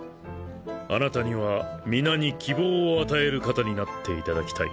あなたには皆に希望を与える方になっていただきたい。